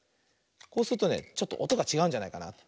こうするとねちょっとおとがちがうんじゃないかな。